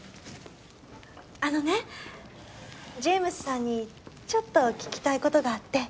あのねジェームスさんにちょっと聞きたい事があって。